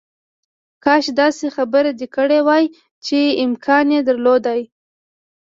کاش داسې خبره دې کړې وای چې امکان یې درلودای